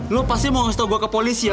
lo pasti mau kasih tau gue ke polisi ya